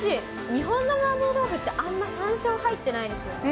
日本のマーボ豆腐って、あんまさんしょう入ってないですよね。